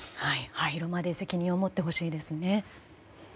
廃炉まで責任を持ってほしいですね。